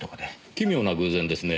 奇妙な偶然ですね。